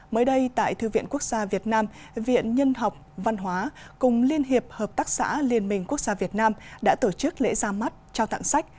mới đây tại thư viện quốc gia việt nam viện nhân học văn hóa cùng liên hiệp hợp tác xã liên minh quốc gia việt nam đã tổ chức lễ ra mắt trao tặng sách